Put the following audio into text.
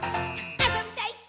「あそびたいっ！！」